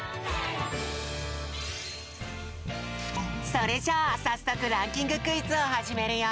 それじゃあさっそくランキングクイズをはじめるよ！